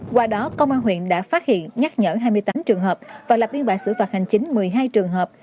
qua đó công an huyện đã phát hiện nhắc nhở hai mươi tám trường hợp và lập biên bản xử phạt hành chính một mươi hai trường hợp